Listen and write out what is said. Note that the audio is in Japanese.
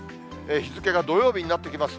日付が土曜日になってきます。